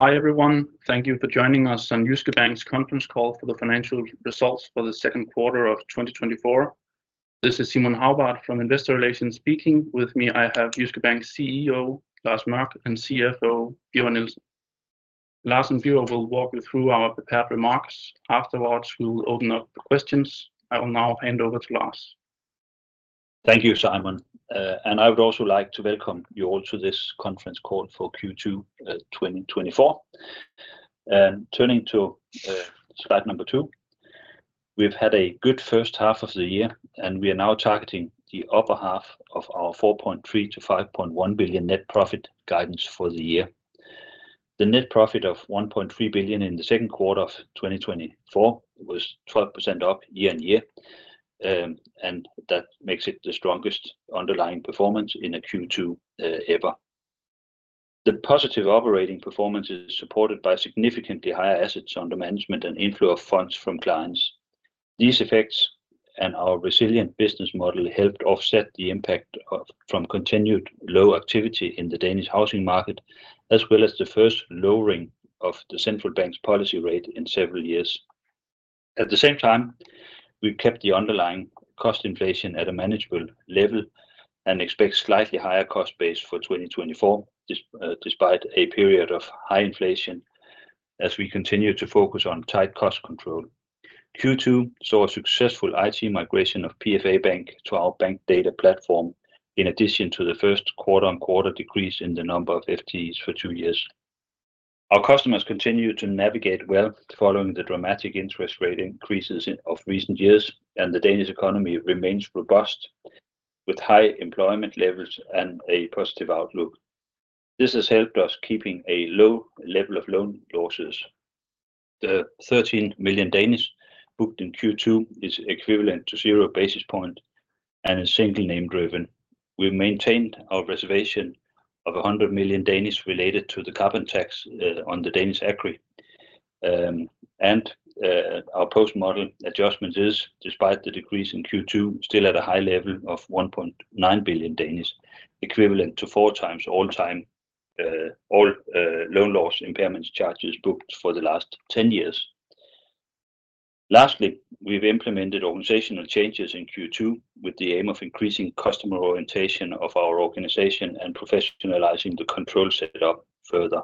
Hi, everyone. Thank you for joining us on Jyske Bank's conference call for the financial results for the second quarter of 2024. This is Simon Hagbart from Investor Relations speaking. With me, I have Jyske Bank's CEO, Lars Mørch, and CFO, Birger Nielsen. Lars and Birger will walk you through our prepared remarks. Afterwards, we will open up the questions. I will now hand over to Lars. Thank you, Simon. And I would also like to welcome you all to this conference call for Q2 2024. And turning to, slide number two, we've had a good first half of the year, and we are now targeting the upper half of our 4.3 billion-5.1 billion net profit guidance for the year. The net profit of 1.3 billion in the second quarter of 2024 was 12% up year-on-year, and that makes it the strongest underlying performance in a Q2, ever. The positive operating performance is supported by significantly higher assets under management and inflow of funds from clients. These effects and our resilient business model helped offset the impact from continued low activity in the Danish housing market, as well as the first lowering of the central bank's policy rate in several years. At the same time, we've kept the underlying cost inflation at a manageable level and expect slightly higher cost base for 2024, despite a period of high inflation as we continue to focus on tight cost control. Q2 saw a successful IT migration of PFA Bank to our Bankdata platform, in addition to the first quarter on quarter decrease in the number of FTEs for two years. Our customers continue to navigate well following the dramatic interest rate increases in recent years, and the Danish economy remains robust, with high employment levels and a positive outlook. This has helped us keeping a low level of loan losses. The 13 million booked in Q2 is equivalent to zero basis point and is single-name driven. We maintained our reservation of 100 million related to the carbon tax on the Danish Ag, and our post-model adjustment is, despite the decrease in Q2, still at a high level of 1.9 billion, equivalent to four times all-time loan impairment charges booked for the last 10 years. Lastly, we've implemented organizational changes in Q2 with the aim of increasing customer orientation of our organization and professionalizing the control setup further.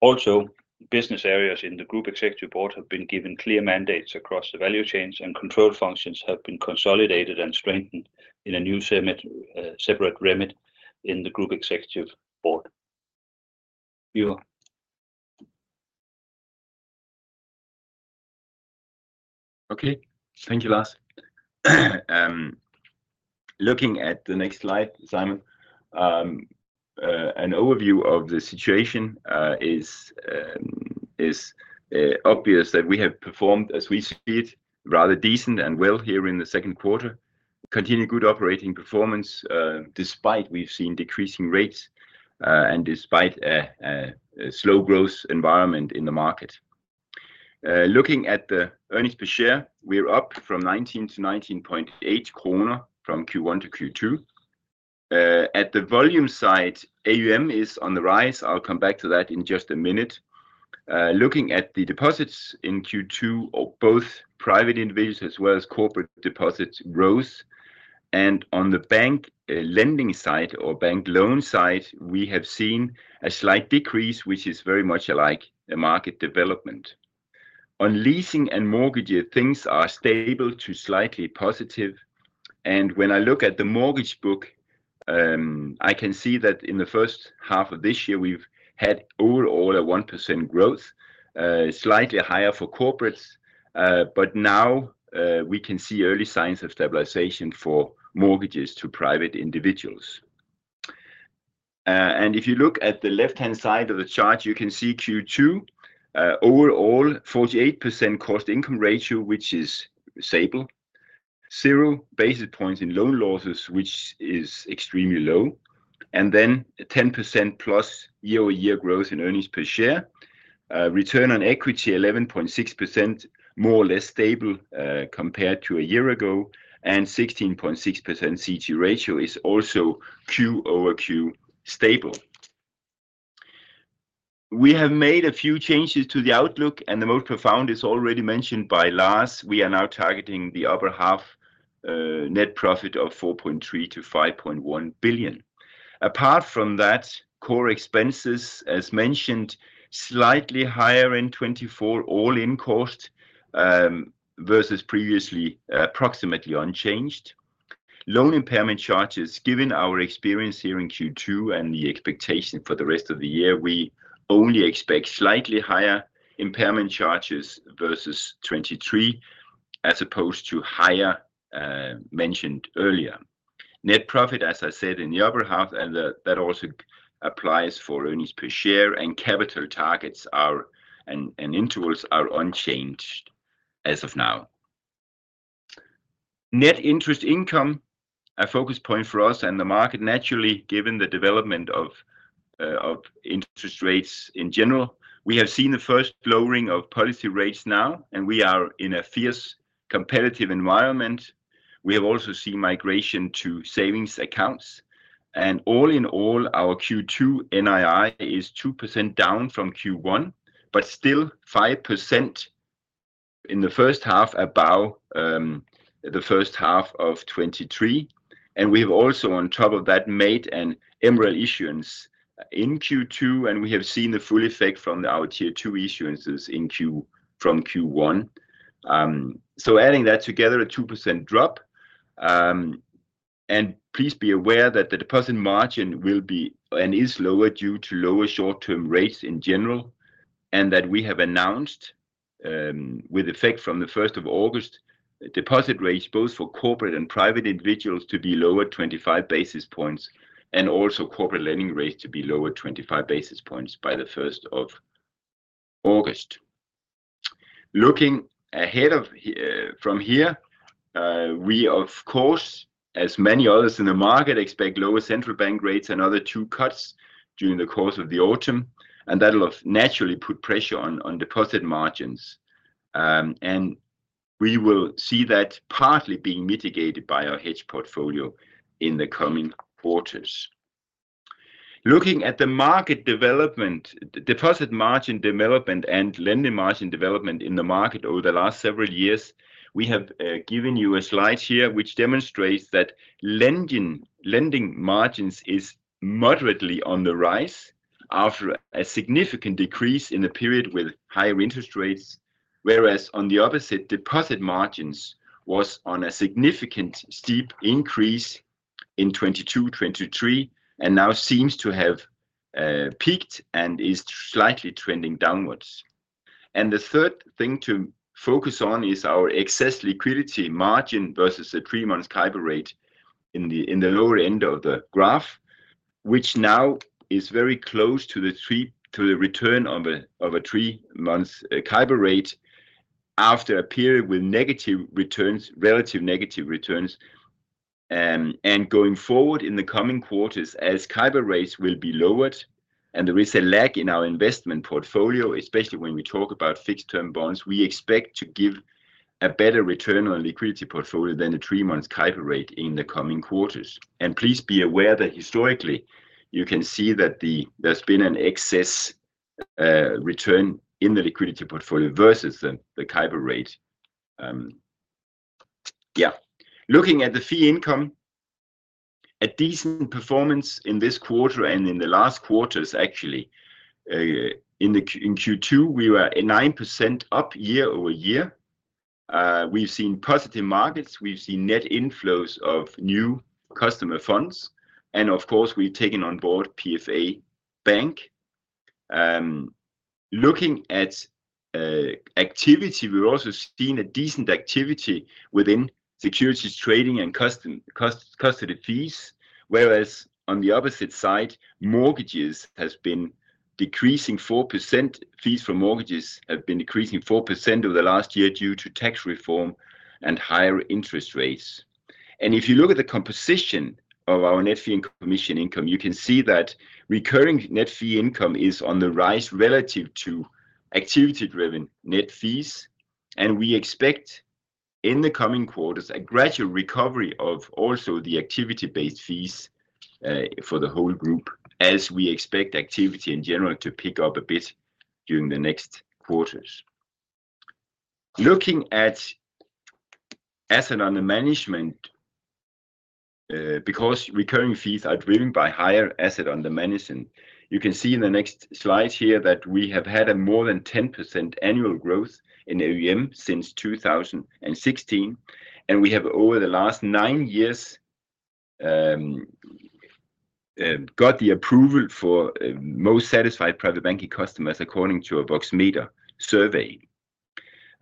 Also, business areas in the group executive board have been given clear mandates across the value chains, and control functions have been consolidated and strengthened in a new, separate remit in the group executive board. Birger? Okay. Thank you, Lars. Looking at the next slide, Simon, an overview of the situation is obvious that we have performed as we speak, rather decent and well here in the second quarter. Continued good operating performance, despite we've seen decreasing rates, and despite a slow growth environment in the market. Looking at the earnings per share, we're up from 19 to 19.8 DKK from Q1 to Q2. At the volume side, AUM is on the rise. I'll come back to that in just a minute. Looking at the deposits in Q2, of both private individuals as well as corporate deposits growth, and on the bank lending side or bank loan side, we have seen a slight decrease, which is very much like the market development. On leasing and mortgage, things are stable to slightly positive, and when I look at the mortgage book, I can see that in the first half of this year we've had a 1% growth, slightly higher for corporates, but now we can see early signs of stabilization for mortgages to private individuals, and if you look at the left-hand side of the chart, you can see Q2 overall 48% cost income ratio, which is stable. Zero basis points in loan losses, which is extremely low, and then a 10%+ year-over-year growth in earnings per share. Return on equity 11.6%, more or less stable compared to a year ago, and 16.6% CET1 ratio is also Q-over-Q stable. We have made a few changes to the outlook, and the most profound is already mentioned by Lars. We are now targeting the upper half net profit of 4.3 billion-5.1 billion. Apart from that, core expenses, as mentioned, slightly higher in 2024. All-in cost versus previously approximately unchanged. Loan impairment charges, given our experience here in Q2 and the expectation for the rest of the year, we only expect slightly higher impairment charges versus 2023, as opposed to higher mentioned earlier. Net profit, as I said, in the upper half, and that also applies for earnings per share and capital targets are and intervals are unchanged as of now. Net interest income, a focus point for us and the market, naturally, given the development of interest rates in general. We have seen the first lowering of policy rates now, and we are in a fierce competitive environment. We have also seen migration to savings accounts, and all in all, our Q2 NII is 2% down from Q1, but still 5% in the first half, about, the first half of 2023. And we have also on top of that made an MREL issuance in Q2, and we have seen the full effect from our Tier 2 issuances from Q1. So adding that together, a 2% drop, and please be aware that the deposit margin will be, and is lower due to lower short-term rates in general, and that we have announced, with effect from the first of August, deposit rates, both for corporate and private individuals, to be lower 25 basis points and also corporate lending rates to be lower 25 basis points by the first of August. Looking ahead from here, we of course, as many others in the market, expect lower central bank rates, another two cuts during the course of the autumn, and that will naturally put pressure on deposit margins. And we will see that partly being mitigated by our hedge portfolio in the coming quarters. Looking at the market development, deposit margin development, and lending margin development in the market over the last several years, we have given you a slide here, which demonstrates that lending margins is moderately on the rise after a significant decrease in the period with higher interest rates. Whereas on the opposite, deposit margins was on a significant steep increase in 2022, 2023, and now seems to have peaked and is slightly trending downwards. The third thing to focus on is our excess liquidity margin versus the three-month CIBOR rate in the lower end of the graph, which now is very close to the three-month CIBOR rate after a period with negative returns, relative negative returns. And going forward in the coming quarters, as CIBOR rates will be lowered and there is a lag in our investment portfolio, especially when we talk about fixed-term bonds, we expect to give a better return on liquidity portfolio than the three-month CIBOR rate in the coming quarters, and please be aware that historically, you can see that there's been an excess return in the liquidity portfolio versus the CIBOR rate. Looking at the fee income, a decent performance in this quarter and in the last quarters, actually. In Q2, we were at 9% up year-over-year. We've seen positive markets, we've seen net inflows of new customer funds, and of course, we've taken on board PFA Bank. Looking at activity, we've also seen decent activity within securities trading and custody fees, whereas on the opposite side, mortgages has been decreasing 4%. Fees for mortgages have been decreasing 4% over the last year due to tax reform and higher interest rates. If you look at the composition of our net fee and commission income, you can see that recurring net fee income is on the rise relative to activity-driven net fees, and we expect in the coming quarters a gradual recovery of also the activity-based fees for the whole group, as we expect activity in general to pick up a bit during the next quarters. Looking at asset under management, because recurring fees are driven by higher asset under management, you can see in the next slide here that we have had a more than 10% annual growth in AUM since 2016, and we have, over the last nine years, got the approval for most satisfied private banking customers, according to a Voxmeter survey.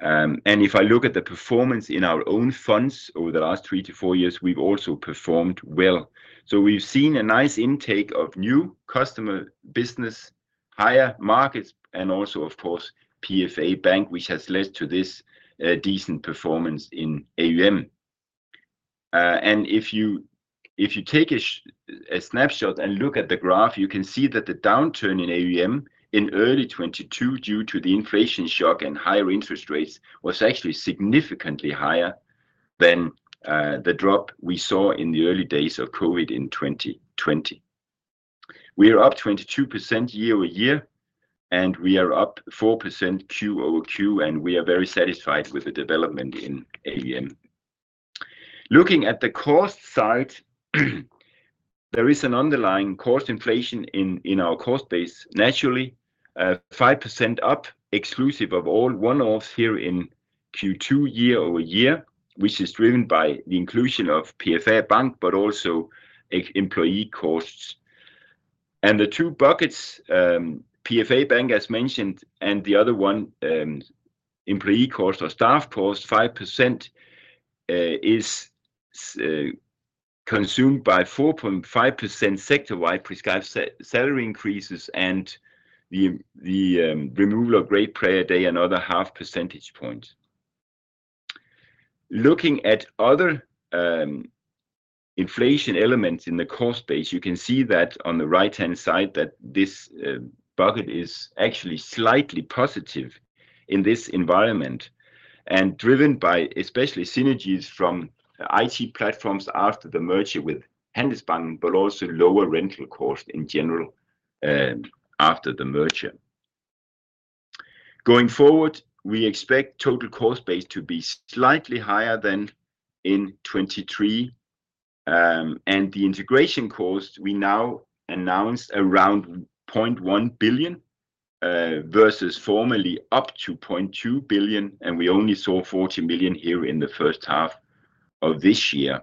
And if I look at the performance in our own funds over the last three to four years, we've also performed well. So we've seen a nice intake of new customer business, higher markets, and also, of course, PFA Bank, which has led to this, decent performance in AUM. And if you take a snapshot and look at the graph, you can see that the downturn in AUM in early 2022, due to the inflation shock and higher interest rates, was actually significantly higher than the drop we saw in the early days of COVID in 2020. We are up 22% year-over-year, and we are up 4% Q-over-Q, and we are very satisfied with the development in AUM. Looking at the cost side, there is an underlying cost inflation in our cost base, naturally, 5% up, exclusive of all one-offs here in Q2, year-over-year, which is driven by the inclusion of PFA Bank, but also employee costs. The two buckets, PFA Bank, as mentioned, and the other one, employee cost or staff cost, 5%, is consumed by 4.5% sector-wide prescribed salary increases and the removal of Great Prayer Day, another 1/2 percentage point. Looking at other inflation elements in the cost base, you can see that on the right-hand side, that this bucket is actually slightly positive in this environment, and driven by especially synergies from IT platforms after the merger with Handelsbanken, but also lower rental cost in general, and after the merger. Going forward, we expect total cost base to be slightly higher than in 2023. The integration cost, we now announced around 0.1 billion, versus formerly up to 0.2 billion, and we only saw 40 million here in the first half of this year.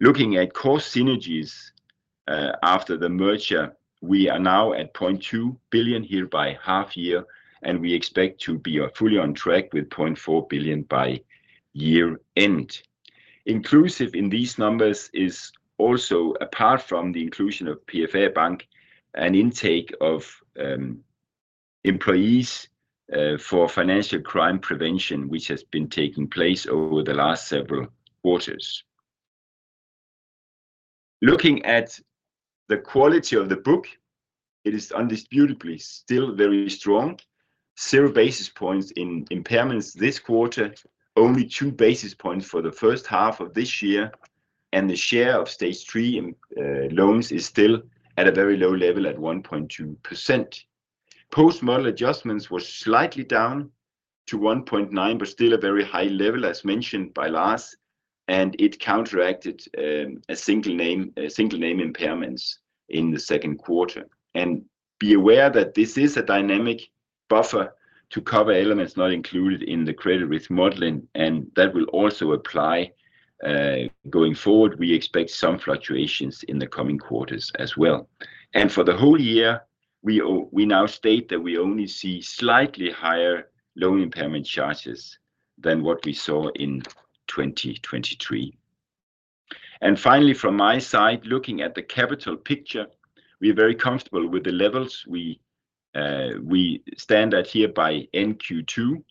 Looking at cost synergies, after the merger, we are now at 0.2 billion here by half year, and we expect to be fully on track with 0.4 billion by year end. Inclusive in these numbers is also, apart from the inclusion of PFA Bank, an intake of employees for financial crime prevention, which has been taking place over the last several quarters. Looking at the quality of the book, it is undisputedly still very strong. Zero basis points in impairments this quarter, only two basis points for the first half of this year, and the share of Stage 3 loans is still at a very low level at 1.2%. Post-model adjustments were slightly down to 1.9, but still a very high level, as mentioned by Lars, and it counteracted a single name, a single name impairments in the second quarter. Be aware that this is a dynamic buffer to cover elements not included in the credit risk modeling, and that will also apply going forward. We expect some fluctuations in the coming quarters as well. For the whole year, we now state that we only see slightly higher loan impairment charges than what we saw in 2023. Finally, from my side, looking at the capital picture, we are very comfortable with the levels we stand at here at end Q2.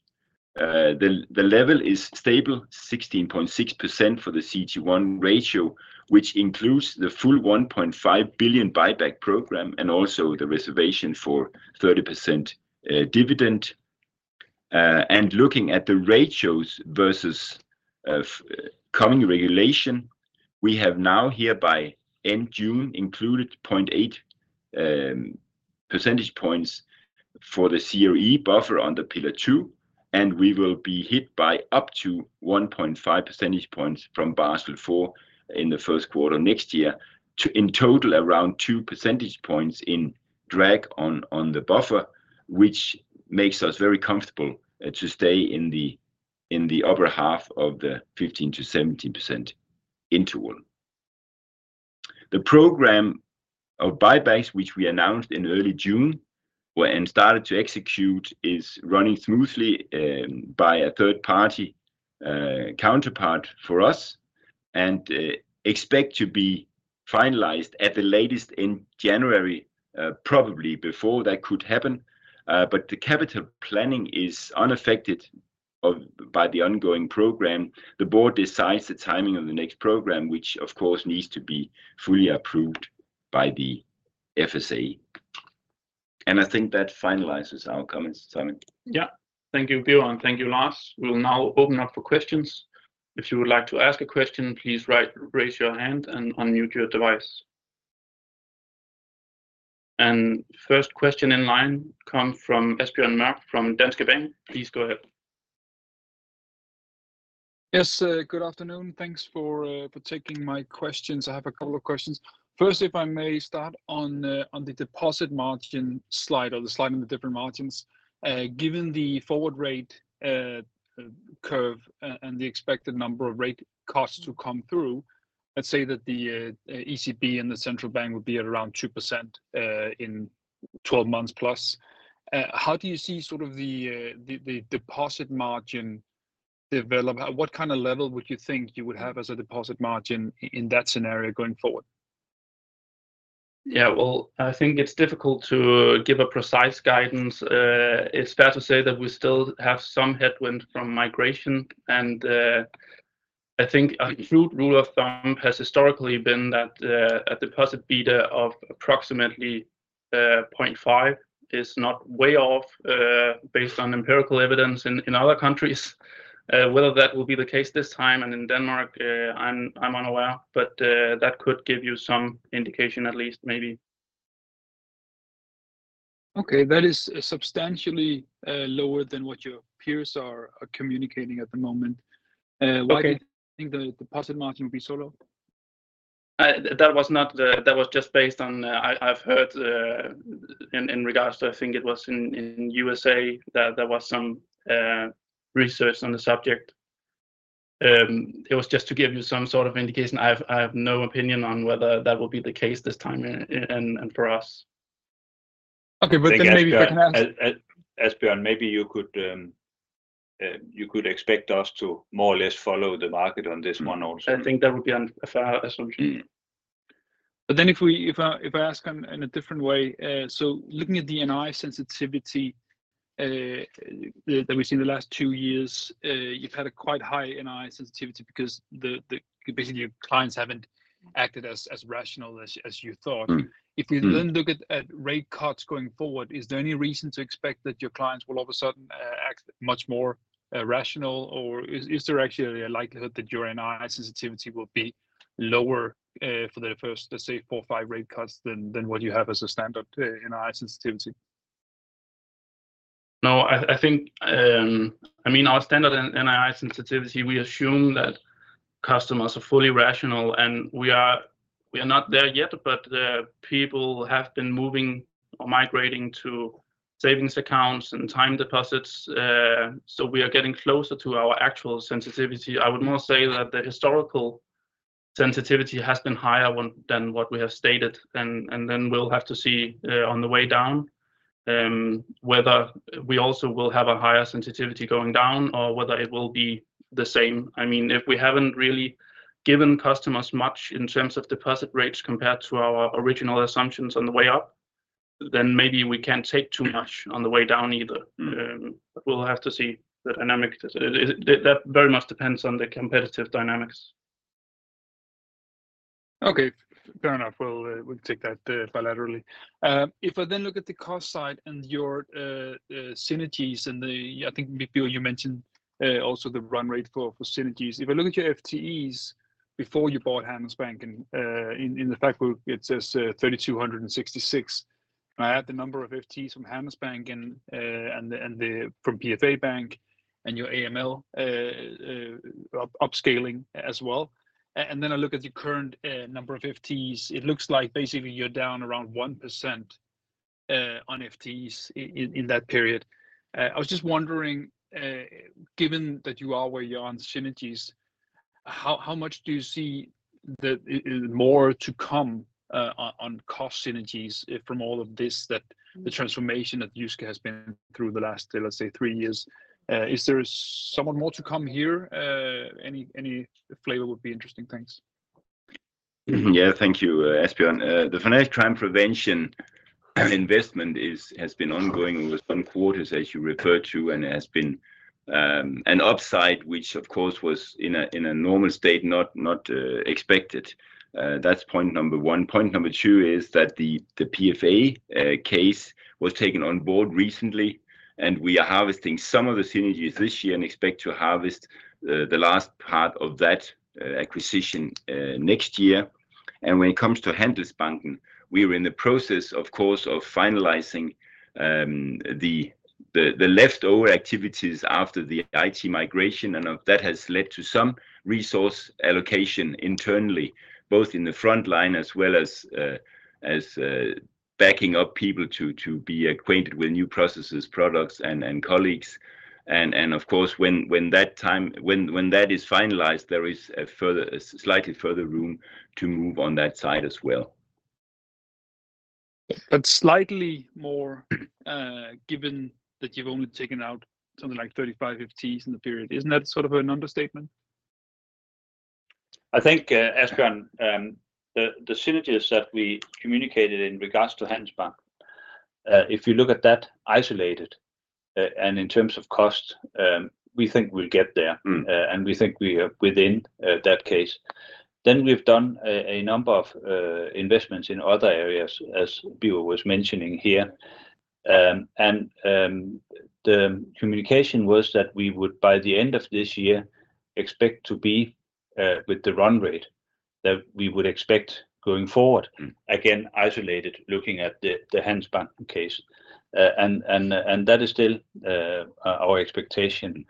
The level is stable, 16.6% for the CET1 ratio, which includes the full 1.5 billion buyback program, and also the reservation for 30% dividend. And looking at the ratios versus coming regulation, we have now here by end June included 0.8 percentage points for the CET1 buffer on the Pillar 2, and we will be hit by up to 1.5 percentage points from Basel IV in the first quarter next year. So in total, around 2 percentage points in drag on the buffer, which makes us very comfortable to stay in the upper half of the 15%-17% interval. The program of buybacks, which we announced in early June and started to execute, is running smoothly by a third party counterpart for us, and expect to be finalized at the latest in January, probably before that could happen. But the capital planning is unaffected by the ongoing program. The board decides the timing of the next program, which of course needs to be fully approved by the FSA. I think that finalizes our comments, Simon. Yeah. Thank you, Birger, and thank you, Lars. We'll now open up for questions. If you would like to ask a question, please raise your hand and unmute your device. And first question in line come from Asbjørn Mørk from Danske Bank. Please go ahead. Yes, good afternoon. Thanks for taking my questions. I have a couple of questions. First, if I may start on the deposit margin slide or the slide in the different margins. Given the forward rate curve and the expected number of rate cuts to come through, let's say that the ECB and the Central Bank would be at around 2% in 12 months+. How do you see sort of the deposit margin develop? What kind of level would you think you would have as a deposit margin in that scenario going forward? Yeah, well, I think it's difficult to give a precise guidance. It's fair to say that we still have some headwind from migration, and I think a crude rule of thumb has historically been that a deposit beta of approximately point five is not way off, based on empirical evidence in other countries. Whether that will be the case this time and in Denmark, I'm unaware, but that could give you some indication, at least maybe. Okay. That is substantially lower than what your peers are communicating at the moment. Okay. Why do you think the deposit margin would be so low? That was not the. That was just based on. I've heard in regards to, I think it was in U.S.A., that there was some research on the subject. It was just to give you some sort of indication. I have no opinion on whether that will be the case this time and for us. Okay, but then maybe I can ask. Asbjørn, maybe you could expect us to more or less follow the market on this one also. I think that would be a fair assumption. But then if I ask in a different way, so looking at the NII sensitivity that we've seen the last two years, you've had a quite high NII sensitivity because basically your clients haven't acted as rational as you thought. If we then look at rate cuts going forward, is there any reason to expect that your clients will all of a sudden act much more rational? Or is there actually a likelihood that your NII sensitivity will be lower for the first, let's say, four, five rate cuts than what you have as a standard NII sensitivity? No, I think. I mean, our standard in NII sensitivity, we assume that customers are fully rational, and we are not there yet, but the people have been moving or migrating to savings accounts and time deposits. So we are getting closer to our actual sensitivity. I would more say that the historical sensitivity has been higher than what we have stated, and then we'll have to see, on the way down, whether we also will have a higher sensitivity going down or whether it will be the same. I mean, if we haven't really given customers much in terms of deposit rates compared to our original assumptions on the way up, then maybe we can't take too much on the way down either. But we'll have to see the dynamics. That very much depends on the competitive dynamics. Okay, fair enough. We'll take that bilaterally. If I then look at the cost side and your synergies and the, I think, Birger, you mentioned also the run rate for synergies. If I look at your FTEs before you bought Handelsbanken, in the fact book, it says 3,266. I add the number of FTEs from Handelsbanken and from PFA Bank and your AML upscaling as well, and then I look at the current number of FTEs, it looks like basically you're down around 1% on FTEs in that period. I was just wondering, given that you are where you are on synergies, how much do you see the more to come on cost synergies from all of this, that the transformation that Jyske has been through the last, let's say, three years? Is there somewhat more to come here? Any flavor would be interesting. Thanks. Yeah. Thank you, Asbjørn. The financial crime prevention investment has been ongoing with some quarters, as you referred to, and has been an upside, which of course, was in a normal state, not expected. That's point number one. Point number two is that the PFA case was taken on board recently, and we are harvesting some of the synergies this year and expect to harvest the last part of that acquisition next year. And when it comes to Handelsbanken, we are in the process, of course, of finalizing the leftover activities after the IT migration, and that has led to some resource allocation internally, both in the front line as well as backing up people to be acquainted with new processes, products, and colleagues. Of course, when that is finalized, there is a slightly further room to move on that side as well. But slightly more, given that you've only taken out something like 35 FTEs in the period, isn't that sort of an understatement? I think, Asbjørn, the synergies that we communicated in regards to Handelsbanken, if you look at that isolated, and in terms of cost, we think we'll get there. And we think we are within that case. Then we've done a number of investments in other areas, as Birger was mentioning here. And the communication was that we would, by the end of this year, expect to be with the run rate that we would expect going forward. Again, isolated, looking at the Handelsbanken case. And that is still our expectation.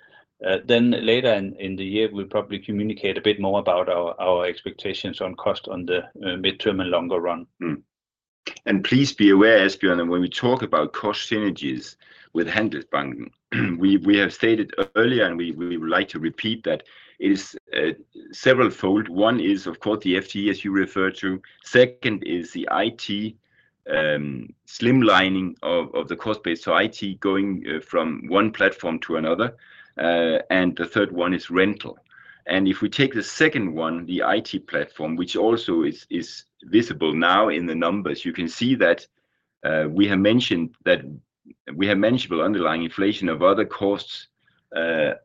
Then later in the year, we'll probably communicate a bit more about our expectations on cost on the midterm and longer run. And please be aware, Asbjørn, when we talk about cost synergies with Handelsbanken, we have stated earlier, and we would like to repeat that is severalfold. One is, of course, the FTE as you referred to. Second is the IT streamlining of the cost base, so IT going from one platform to another. And the third one is rental. And if we take the second one, the IT platform, which also is visible now in the numbers, you can see that we have mentioned that we have manageable underlying inflation of other costs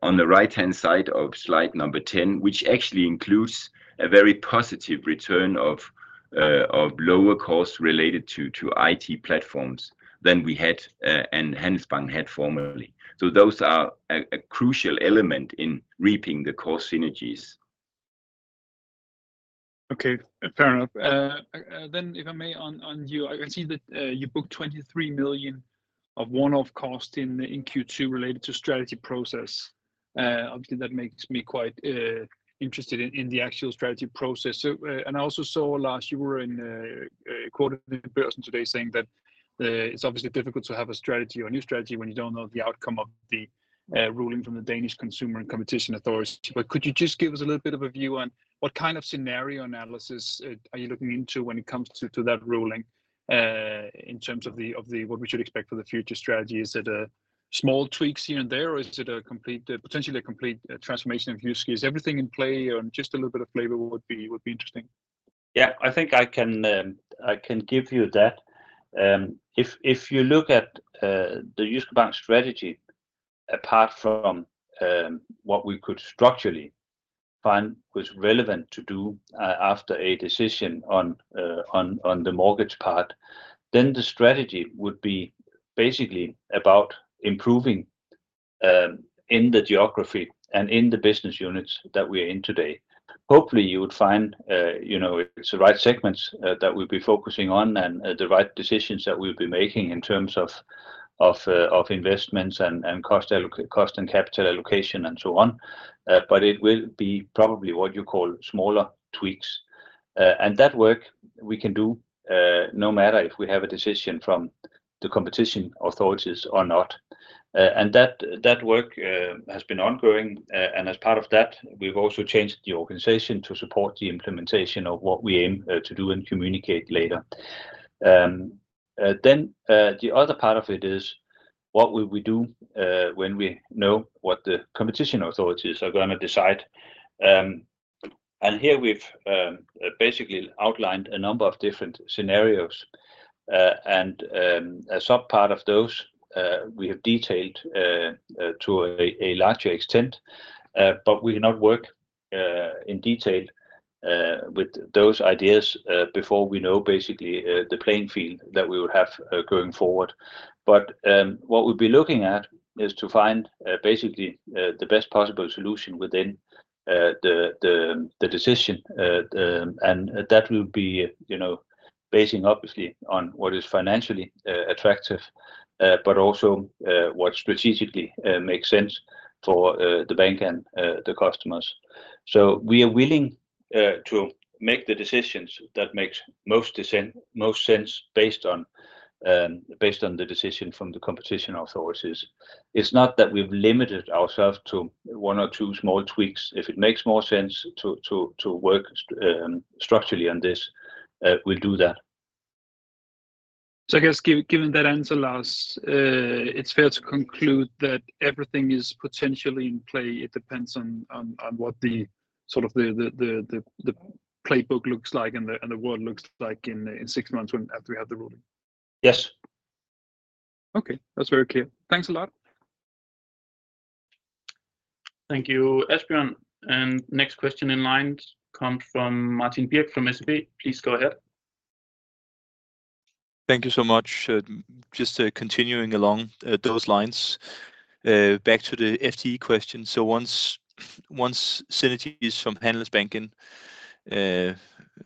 on the right-hand side of slide number 10, which actually includes a very positive return of lower costs related to IT platforms than we had and Handelsbanken had formerly. So those are a crucial element in reaping the cost synergies. Okay, fair enough. Then if I may, on you, I see that you booked 23 million of one-off cost in Q2 related to strategy process. Obviously, that makes me quite interested in the actual strategy process. So, and I also saw, Lars, you were in a quote in the press today saying that it's obviously difficult to have a strategy or a new strategy when you don't know the outcome of the ruling from the Danish Consumer and Competition Authority. But could you just give us a little bit of a view on what kind of scenario analysis are you looking into when it comes to that ruling in terms of the what we should expect for the future strategy? Is it a small tweaks here and there, or is it a complete, potentially a complete transformation of Jyske? Is everything in play, or just a little bit of flavor would be, would be interesting? Yeah, I think I can give you that. If you look at the Jyske Bank strategy, apart from what we could structurally find was relevant to do after a decision on the mortgage part, then the strategy would be basically about improving in the geography and in the business units that we are in today. Hopefully, you would find, you know, if it's the right segments that we'll be focusing on and the right decisions that we'll be making in terms of investments and cost and capital allocation, and so on. But it will be probably what you call smaller tweaks. And that work we can do no matter if we have a decision from the competition authorities or not. And that work has been ongoing, and as part of that, we've also changed the organization to support the implementation of what we aim to do and communicate later. Then, the other part of it is what will we do when we know what the competition authorities are gonna decide? And here we've basically outlined a number of different scenarios. And a sub-part of those, we have detailed to a larger extent, but we cannot work in detail with those ideas before we know basically the playing field that we will have going forward. But what we'll be looking at is to find basically the best possible solution within the decision. And that will be, you know, basing obviously on what is financially attractive, but also what strategically makes sense for the bank and the customers. So we are willing to make the decisions that makes most sense based on the decision from the competition authorities. It's not that we've limited ourselves to one or two small tweaks. If it makes more sense to work structurally on this, we'll do that. So I guess given that answer, Lars, it's fair to conclude that everything is potentially in play. It depends on what sort of playbook looks like and the world looks like in six months when after we have the ruling. Yes. Okay, that's very clear. Thanks a lot. Thank you, Asbjørn, and next question in line comes from Martin Birk from SEB. Please go ahead. Thank you so much. Just, continuing along those lines, back to the FTE question. So once synergies from Handelsbanken,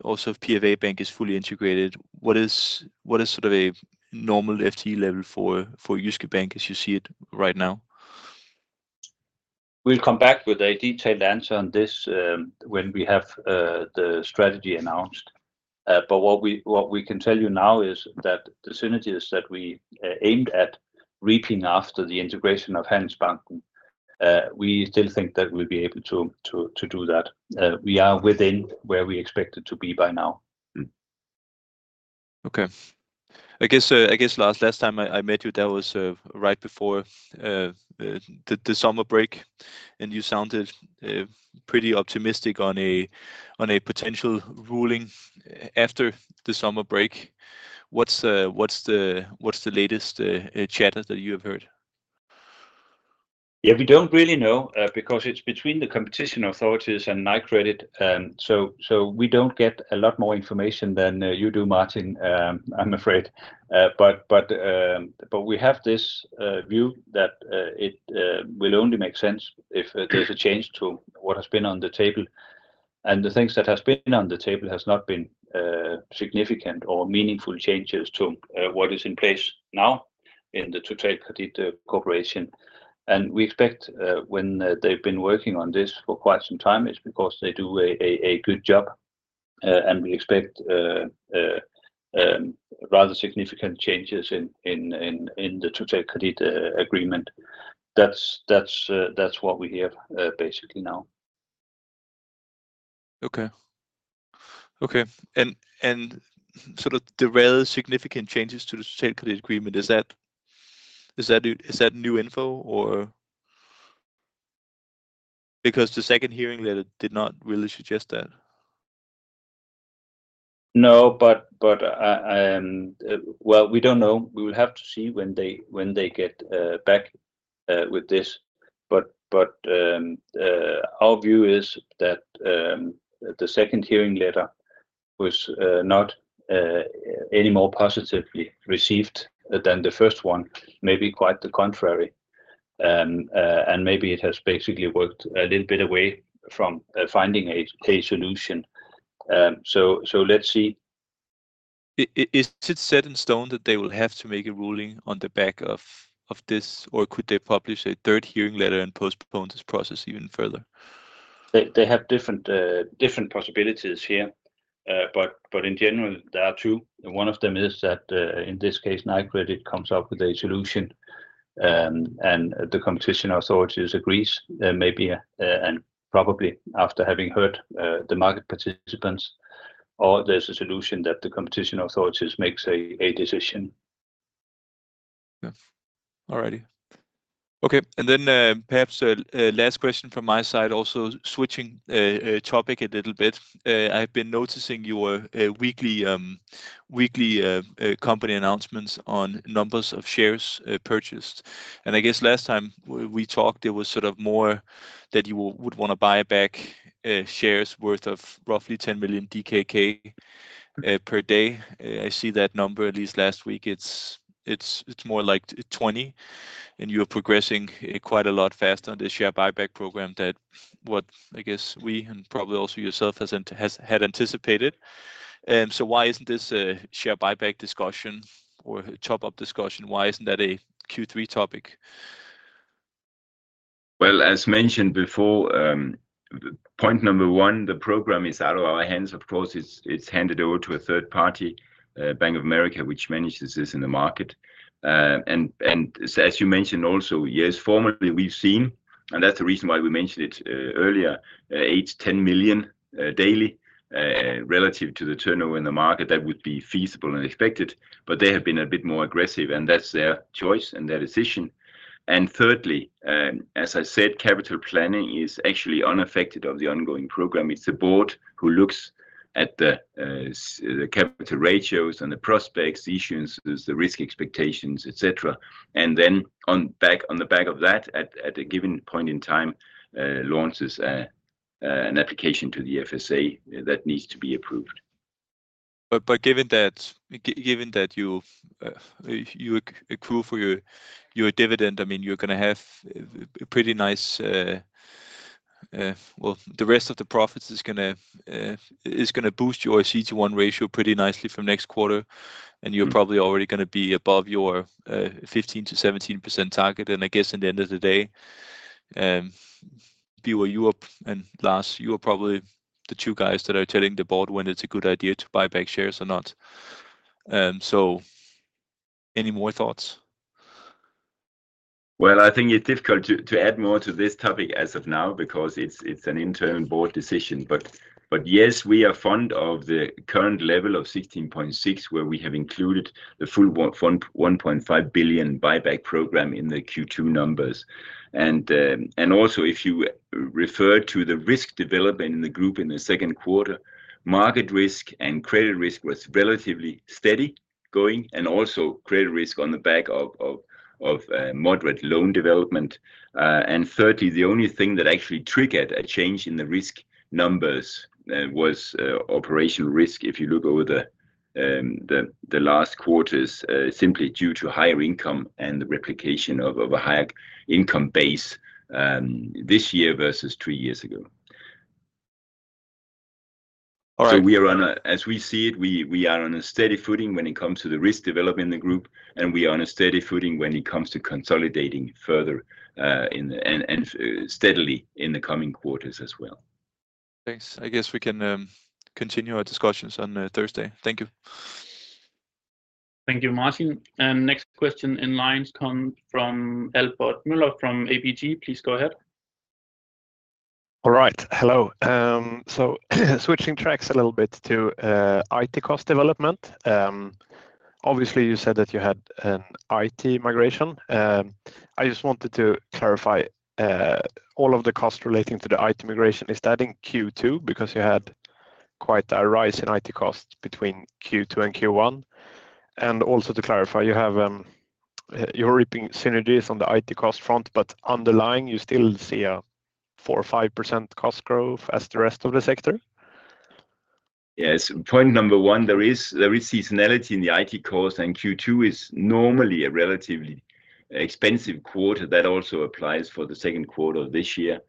also if PFA Bank is fully integrated, what is sort of a normal FTE level for Jyske Bank as you see it right now? We'll come back with a detailed answer on this, when we have the strategy announced, but what we can tell you now is that the synergies that we aimed at reaping after the integration of Handelsbanken, we still think that we'll be able to do that. We are within where we expected to be by now. Okay. I guess last time I met you, that was right before the summer break, and you sounded pretty optimistic on a potential ruling after the summer break. What's the latest chatters that you have heard? Yeah, we don't really know because it's between the competition authorities and Nykredit, so we don't get a lot more information than you do, Martin. I'm afraid, but we have this view that it will only make sense if there's a change to what has been on the table, and the things that has been on the table has not been significant or meaningful changes to what is in place now in the Totalkredit cooperation. We expect, when they've been working on this for quite some time, it's because they do a good job, and we expect rather significant changes in the Totalkredit agreement. That's what we hear basically now. Okay, and so the rather significant changes to the Totalkredit agreement, is that new info or? Because the second hearing letter did not really suggest that. No, but, well, we don't know. We will have to see when they get back with this. But our view is that the second hearing letter was not any more positively received than the first one. Maybe quite the contrary. And maybe it has basically worked a little bit away from finding a solution. So let's see. Is it set in stone that they will have to make a ruling on the back of this, or could they publish a third hearing letter and postpone this process even further? They have different possibilities here. But in general, there are two, and one of them is that in this case, Nykredit comes up with a solution, and the competition authorities agrees, maybe, and probably after having heard the market participants, or there's a solution that the competition authorities makes a decision. Yeah. All righty. Okay, and then, perhaps a last question from my side, also switching a topic a little bit. I've been noticing your weekly company announcements on numbers of shares purchased, and I guess last time we talked, it was sort of more that you would wanna buy back shares worth of roughly 10 million DKK per day. I see that number, at least last week, it's more like 20, and you're progressing quite a lot faster on the share buyback program than what I guess we, and probably also yourself, has had anticipated. So why isn't this a share buyback discussion or a chop-up discussion? Why isn't that a Q3 topic? As mentioned before, point number one, the program is out of our hands. Of course, it's, it's handed over to a third party, Bank of America, which manages this in the market. And, and as you mentioned also, yes, formerly we've seen, and that's the reason why we mentioned it, earlier, 8 million-10 million daily, relative to the turnover in the market, that would be feasible and expected, but they have been a bit more aggressive, and that's their choice and their decision. And thirdly, as I said, capital planning is actually unaffected of the ongoing program. It's the board who looks at the, the capital ratios and the prospects issues, the risk expectations, et cetera. And then on the back of that, at a given point in time, launches an application to the FSA that needs to be approved. But given that you accrue for your dividend, I mean, you're gonna have a pretty nice. Well, the rest of the profits is gonna boost your CET1 ratio pretty nicely from next quarter, and you're probably already gonna be above your 15%-17% target. And I guess in the end of the day, you are Europe, and Lars, you are probably the two guys that are telling the board when it's a good idea to buy back shares or not. So any more thoughts? I think it's difficult to add more to this topic as of now because it's an internal board decision. But yes, we are fond of the current level of 16.6, where we have included the full 1.5 billion buyback program in the Q2 numbers. And also, if you refer to the risk development in the group in the second quarter, market risk and credit risk was relatively steady going, and also credit risk on the back of moderate loan development. And thirdly, the only thing that actually triggered a change in the risk numbers was operational risk. If you look over the last quarters, simply due to higher income and the replication of a higher income base, this year versus three years ago. As we see it, we are on a steady footing when it comes to the risk development in the group, and we are on a steady footing when it comes to consolidating further and steadily in the coming quarters as well. Thanks. I guess we can continue our discussions on Thursday. Thank you. Thank you, Martin. And next question in line come from Albert Möller from ABG. Please go ahead. All right. Hello, so switching tracks a little bit to IT cost development. Obviously, you said that you had an IT migration. I just wanted to clarify all of the costs relating to the IT migration, is that in Q2? Because you had quite a rise in IT costs between Q2 and Q1, and also to clarify, you have, you're reaping synergies on the IT cost front, but underlying, you still see a 4% or 5% cost growth as the rest of the sector? Yes, point number one, there is seasonality in the IT cost, and Q2 is normally a relatively expensive quarter. That also applies for the second quarter of this year.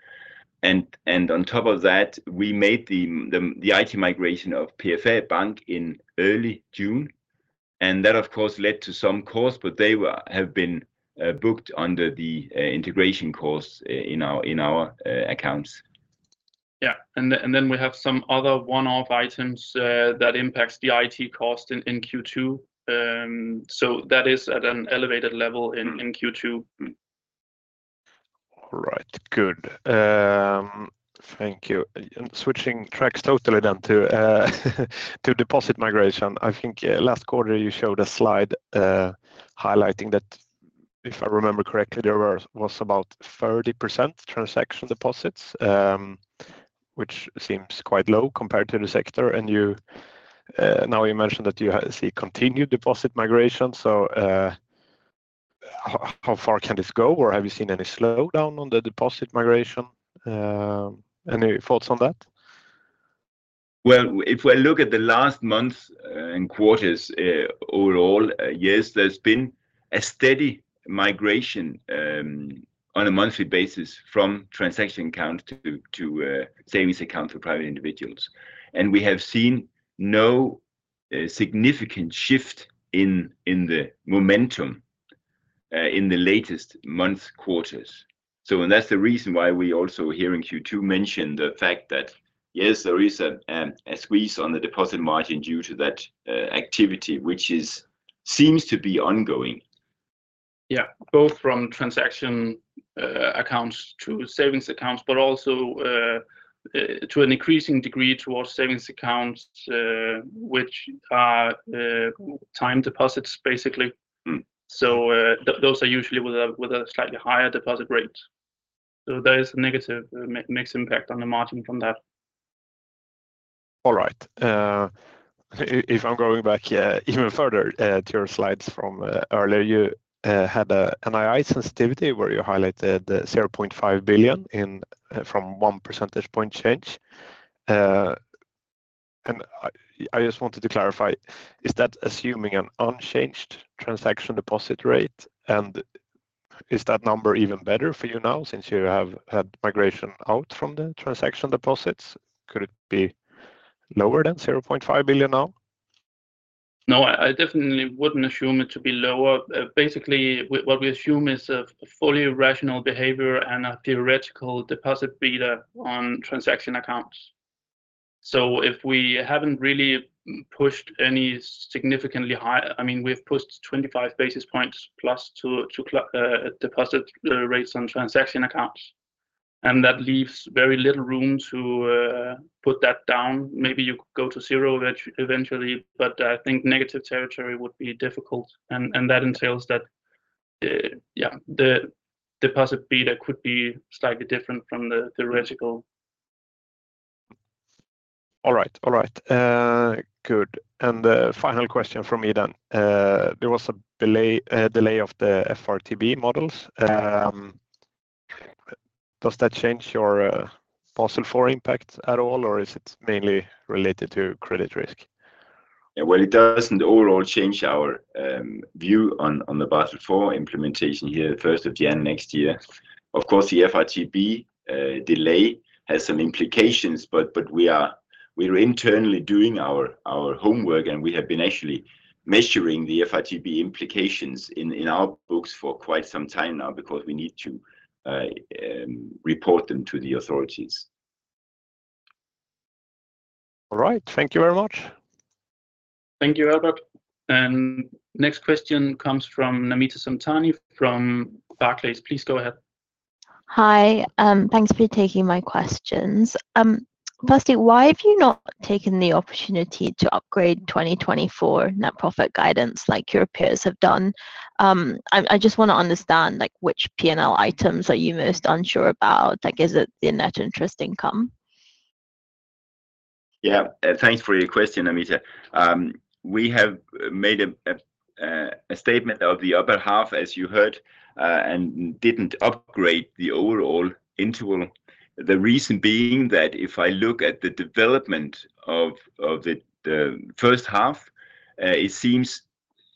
And on top of that, we made the IT migration of PFA Bank in early June, and that, of course, led to some costs, but they were, have been, booked under the integration costs in our accounts. Yeah, and then we have some other one-off items that impacts the IT cost in Q2. So that is at an elevated level in Q2. All right. Good. Thank you. And switching tracks totally then to deposit migration. I think last quarter you showed a slide highlighting that, if I remember correctly, there was about 30% transaction deposits, which seems quite low compared to the sector. And now you mentioned that you see continued deposit migration, so how far can this go, or have you seen any slowdown on the deposit migration? Any thoughts on that? If I look at the last month and quarters overall, yes, there's been a steady migration on a monthly basis from transaction account to savings account for private individuals. And we have seen no significant shift in the momentum in the latest month and quarters. And that's the reason why we also here in Q2 mention the fact that yes, there is a squeeze on the deposit margin due to that activity which seems to be ongoing. Yeah, both from transaction accounts to savings accounts, but also to an increasing degree towards savings accounts, which are time deposits, basically. So, those are usually with a slightly higher deposit rate. So there is a negative mixed impact on the margin from that. All right. If I'm going back, yeah, even further, to your slides from earlier, you had a NII sensitivity, where you highlighted the 0.5 billion in from one percentage point change. And I just wanted to clarify, is that assuming an unchanged transaction deposit rate, and is that number even better for you now, since you have had migration out from the transaction deposits? Could it be lower than 0.5 billion now? No, I definitely wouldn't assume it to be lower. Basically, what we assume is a fully rational behavior and a theoretical deposit beta on transaction accounts. So if we haven't really pushed any significantly higher, I mean, we've pushed 25 basis points+ to deposit rates on transaction accounts, and that leaves very little room to put that down. Maybe you could go to zero eventually, but I think negative territory would be difficult, and that entails that, yeah, the deposit beta could be slightly different from the theoretical. All right. All right. Good, and the final question from me then. There was a delay of the FRTB models. Does that change your Basel IV impact at all, or is it mainly related to credit risk? It doesn't overall change our view on the Basel IV implementation here, first of January next year. Of course, the FRTB delay has some implications, but we are internally doing our homework, and we have been actually measuring the FRTB implications in our books for quite some time now because we need to report them to the authorities. All right. Thank you very much. Thank you, Albert. And next question comes from Namita Samtani from Barclays. Please go ahead. Hi. Thanks for taking my questions. Firstly, why have you not taken the opportunity to upgrade 2024 net profit guidance like your peers have done? I just want to understand, like, which P&L items are you most unsure about? Like, is it the net interest income? Yeah, thanks for your question, Namita. We have made a statement of the other half, as you heard, and didn't upgrade the overall interval. The reason being that if I look at the development of the first half, it seems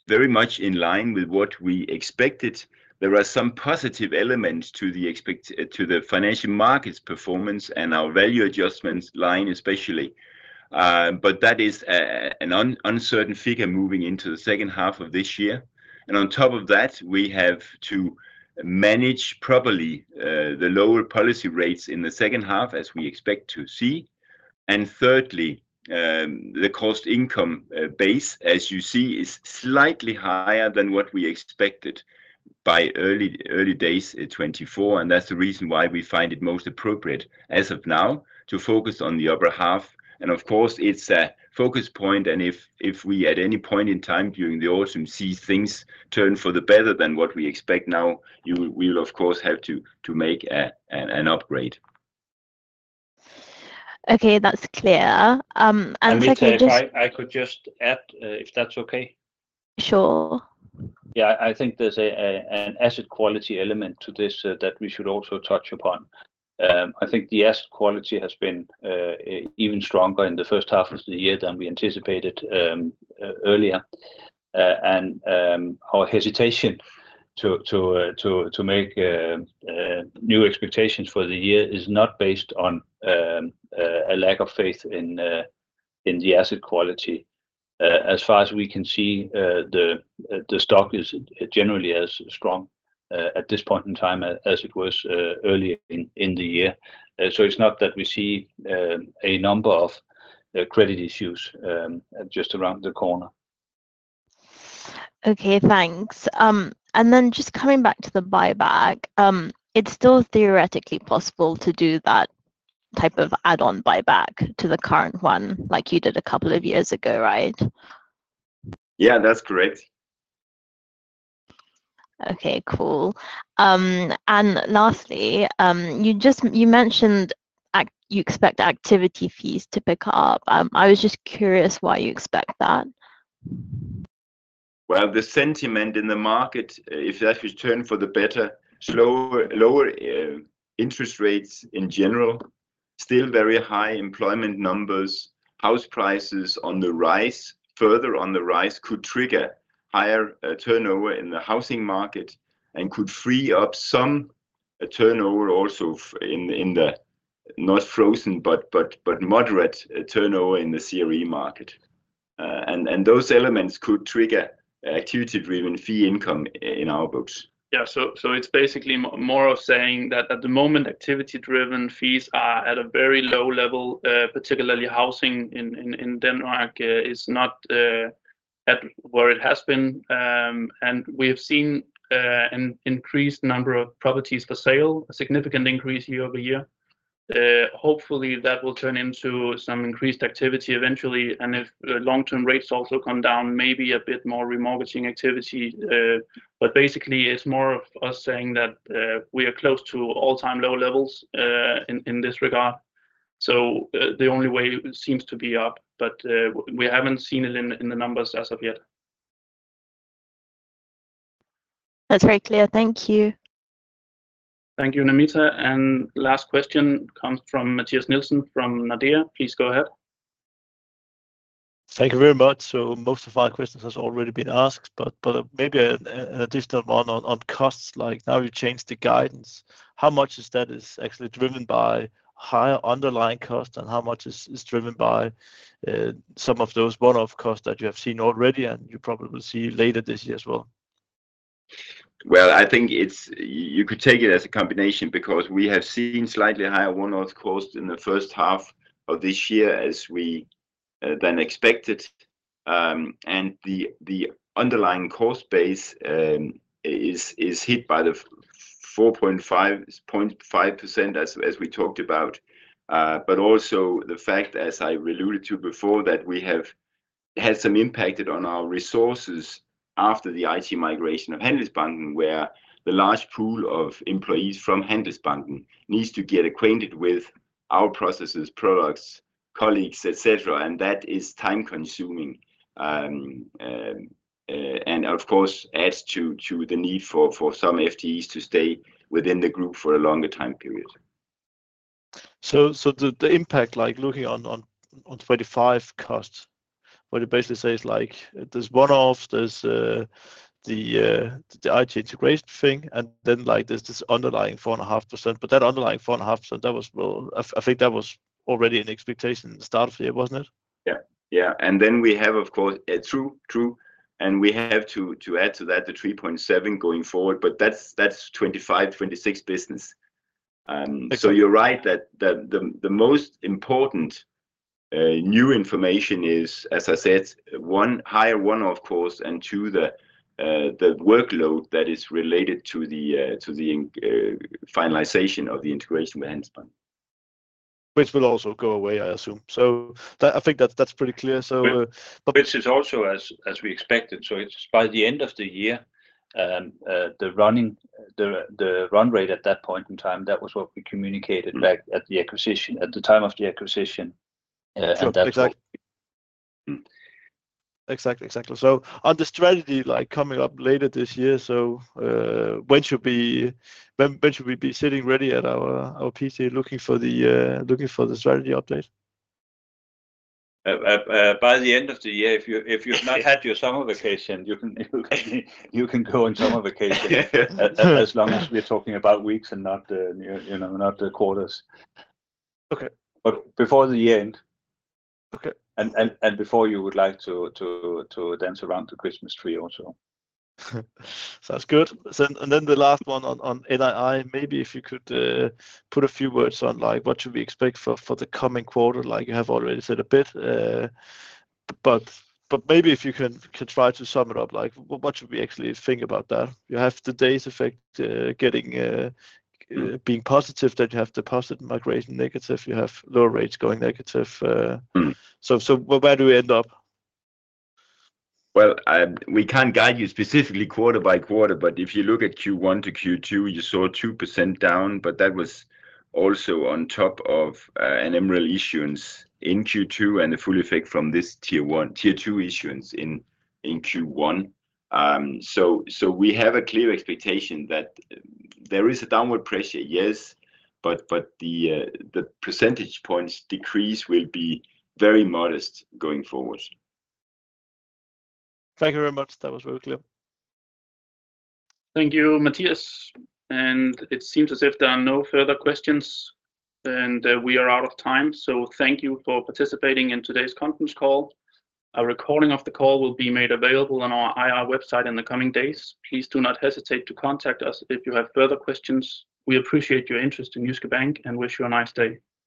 very much in line with what we expected. There are some positive elements to the financial markets performance and our value adjustments line, especially, but that is an uncertain figure moving into the second half of this year, and on top of that, we have to manage properly the lower policy rates in the second half, as we expect to see. And thirdly, the cost-to-income ratio, as you see, is slightly higher than what we expected by early days in 2024, and that's the reason why we find it most appropriate, as of now, to focus on the upper half. And of course, it's a focus point, and if we at any point in time during the autumn see things turn for the better than what we expect now, we'll of course have to make an upgrade. Okay, that's clear. And the second just. Namita, I could just add, if that's okay? Sure. Yeah, I think there's an asset quality element to this that we should also touch upon. I think the asset quality has been even stronger in the first half of the year than we anticipated earlier. And our hesitation to make new expectations for the year is not based on a lack of faith in the asset quality. As far as we can see, the stock is generally as strong at this point in time as it was earlier in the year. So it's not that we see a number of credit issues just around the corner. Okay, thanks, and then just coming back to the buyback, it's still theoretically possible to do that type of add-on buyback to the current one like you did a couple of years ago, right? Yeah, that's correct. Okay, cool, and lastly, you just, you mentioned you expect activity fees to pick up. I was just curious why you expect that? The sentiment in the market, if that return for the better, slower, lower interest rates in general, still very high employment numbers, house prices on the rise, further on the rise, could trigger higher turnover in the housing market and could free up some turnover also in the not frozen, but moderate turnover in the CRE market, and those elements could trigger activity-driven fee income in our books. Yeah, so, it's basically more of saying that at the moment, activity-driven fees are at a very low level, particularly housing in Denmark is not at where it has been, and we have seen an increased number of properties for sale, a significant increase year-over-year. Hopefully that will turn into some increased activity eventually, and if the long-term rates also come down, maybe a bit more remortgaging activity. But basically it's more of us saying that we are close to all-time low levels in this regard. So the only way seems to be up, but we haven't seen it in the numbers as of yet. That's very clear. Thank you. Thank you, Namita. And last question comes from Mathias Nielsen from Nordea. Please go ahead. Thank you very much. So most of our questions has already been asked, but maybe an additional one on costs, like now you've changed the guidance. How much is that actually driven by higher underlying cost, and how much is driven by some of those one-off costs that you have seen already and you probably will see later this year as well? I think it's. You could take it as a combination, because we have seen slightly higher one-off costs in the first half of this year as we then expected. And the underlying cost base is hit by the 4.5%, 0.5% as we talked about. But also the fact, as I alluded to before, that we have had some impacted on our resources after the IT migration of Handelsbanken, where the large pool of employees from Handelsbanken needs to get acquainted with our processes, products, colleagues, et cetera, and that is time-consuming. And of course, adds to the need for some FTEs to stay within the group for a longer time period. The impact, like looking on 25 costs, what it basically says, like there's one-off, there's the IT integration thing, and then, like, there's this underlying 4.5%. But that underlying 4.5%, that was well, I think that was already an expectation at the start of the year, wasn't it? Yeah, and then we have, of course, true, and we have to add to that, the 3.7 going forward, but that's 25, 26 business. So you're right that the most important new information is, as I said, one, higher one-off costs, and two, the workload that is related to the finalization of the integration with Handelsbanken. Which will also go away, I assume. So that I think that's, that's pretty clear. Which is also as we expected, so it's by the end of the year, the run rate at that point in time, that was what we communicated back at the acquisition, at the time of the acquisition. Sure. Exactly. So on the strategy, like coming up later this year, so, when should we be sitting ready at our PC looking for the strategy update? By the end of the year, if you've not had your summer vacation, you can go on summer vacation. As long as we're talking about weeks and not, you know, not the quarters. Okay. But before the year end. Okay. Before you would like to dance around the Christmas tree also. Sounds good. So and then the last one on NII, maybe if you could put a few words on like what should we expect for the coming quarter? Like, you have already said a bit, but maybe if you can try to sum it up, like what should we actually think about that? You have today's effect, getting, being positive, that you have the positive migration negative, you have lower rates going negative. So, where do we end up? We can't guide you specifically quarter-by-quarter, but if you look at Q1 to Q2, you saw 2% down, but that was also on top of an MREL issuance in Q2 and the full effect from this Tier 1... Tier 2 issuance in Q1. So we have a clear expectation that there is a downward pressure, yes, but the percentage points decrease will be very modest going forward. Thank you very much. That was very clear. Thank you, Mathias, and it seems as if there are no further questions, and we are out of time, so thank you for participating in today's conference call. A recording of the call will be made available on our IR website in the coming days. Please do not hesitate to contact us if you have further questions. We appreciate your interest in Jyske Bank and wish you a nice day.